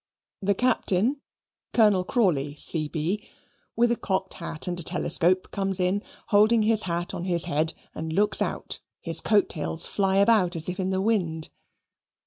The Captain (Colonel Crawley, C.B.), with a cocked hat and a telescope, comes in, holding his hat on his head, and looks out; his coat tails fly about as if in the wind.